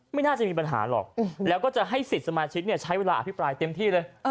ไม่น่าจะมีปัญหาหรอกแล้วก็จะให้สิทธิ์สมาชิกใช้เวลาอภิปรายเต็มที่เลย